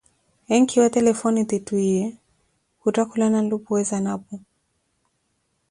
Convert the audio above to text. Enkiweevo telefone ti twiiye, khuttakhukana nlupuwe zanapo.